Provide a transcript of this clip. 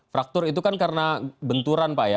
faktur itu kan karena benturan pak ya